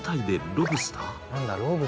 ロブスター。